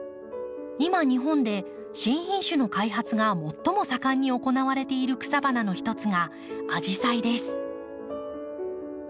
今日本で新品種の開発が最も盛んに行われている草花の一つがアジサイです。